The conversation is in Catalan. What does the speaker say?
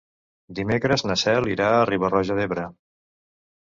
Dimecres na Cel irà a Riba-roja d'Ebre.